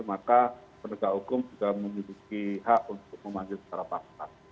maka penegak hukum juga memiliki hak untuk memanggil secara paksa